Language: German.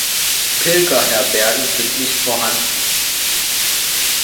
Pilgerherbergen sind nicht vorhanden.